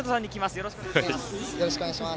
よろしくお願いします。